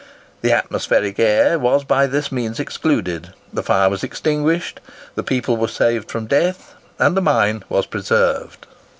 The atmospheric air was by this means excluded, the fire was extinguished, the people were saved from death, and the mine was preserved.